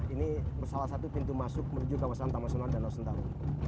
ini salah satu pintu masuk menuju kawasan taman nasional danau sentarung